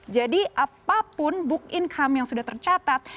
jadi apapun book income yang sudah tercatat